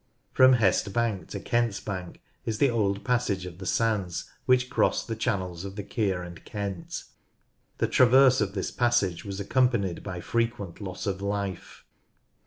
From Hest Bank to Kent's Bank is the old passage of the sands which crossed the channels of the Keer and Kent. The traverse of this passage was ac companied by frequent loss of life.